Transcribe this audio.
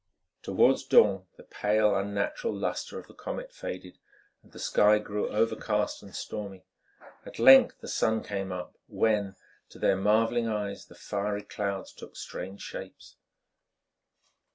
Towards dawn, the pale, unnatural lustre of the comet faded, and the sky grew overcast and stormy. At length the sun came up, when, to their marvelling eyes, the fiery clouds took strange shapes.